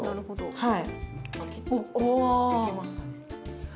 はい。